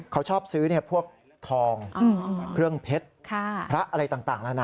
เขาชอบซื้อพวกทองเครื่องเพชรพระอะไรต่างแล้วนะ